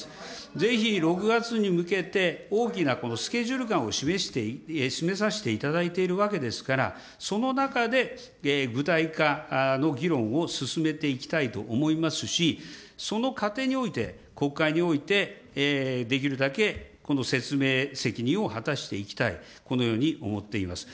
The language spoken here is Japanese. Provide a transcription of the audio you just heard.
ぜひ６月に向けて、大きなこのスケジュール感を示させていただいているわけでありますから、その中で、具体化の議論を進めていきたいと思いますし、その過程において、国会において、できるだけこの説明責任を果たしていきたい、このように思っています。